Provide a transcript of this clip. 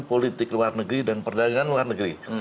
politik luar negeri dan perdagangan luar negeri